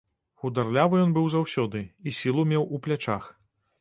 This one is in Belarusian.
Хударлявы ён быў заўсёды і сілу меў у плячах.